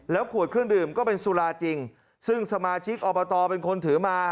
ขวดเครื่องดื่มก็เป็นสุราจริงซึ่งสมาชิกอบตเป็นคนถือมา